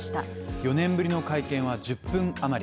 ４年ぶりの会見は１０分あまり。